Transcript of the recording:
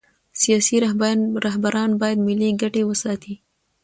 سیاسي رهبران باید ملي ګټې وساتي